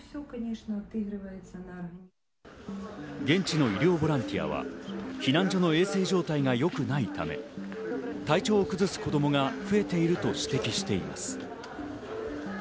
現地の医療ボランティアは避難所の衛生状態が良くないため、体調を崩す子供が増えていると指摘しています。